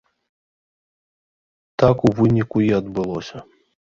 Так у выніку і адбылося.